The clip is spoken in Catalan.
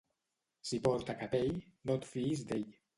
Si porta capell, no et fiïs d'ell.